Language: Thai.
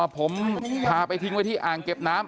ผมพาไปทิ้งไว้ที่อ่างเก็บน้ำ